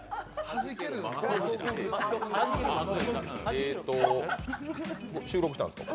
えーと、収録したんですか？